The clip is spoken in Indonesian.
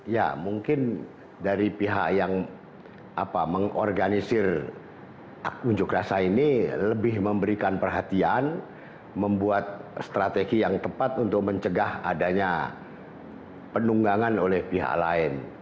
ya mungkin dari pihak yang mengorganisir unjuk rasa ini lebih memberikan perhatian membuat strategi yang tepat untuk mencegah adanya penunggangan oleh pihak lain